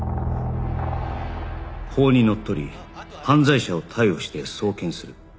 法にのっとり犯罪者を逮捕して送検する